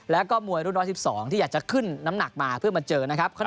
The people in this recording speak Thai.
แล้วก็มวยรุ่น๑๑๒ที่อยากจะขึ้นน้ำหนักมาเพื่อมาเจอนะครับ